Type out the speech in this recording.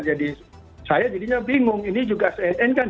jadi saya jadinya bingung ini juga cnn kan jkp